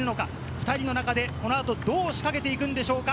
２人の中でこの後、どう仕掛けていくんでしょうか？